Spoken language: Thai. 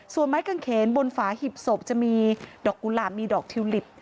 ส่วนไม้กางเขนบนฝาหีบศพจะมีดอกกุหลาบมีดอกทิวลิป